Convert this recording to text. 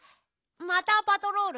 またパトロール？